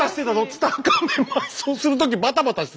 ツタンカーメン埋葬する時バタバタしてたんですか？